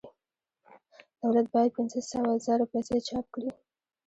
دولت باید پنځه سوه زره پیسې چاپ کړي